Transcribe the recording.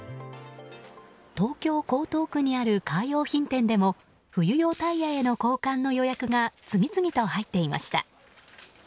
東京・江東区にあるカー用品店でも冬用タイヤへの交換の予約が次々と入っていました。